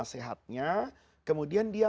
sehatnya kemudian dia